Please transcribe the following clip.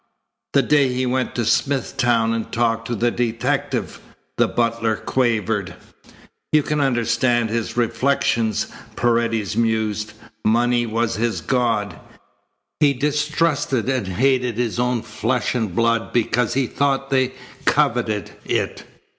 "The day he went to Smithtown and talked to the detective," the butler quavered. "You can understand his reflections," Paredes mused. "Money was his god. He distrusted and hated his own flesh and blood because he thought they coveted it.